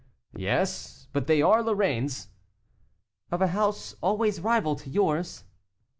"Yes, but they are Lorraines." "Of a house always rival to yours."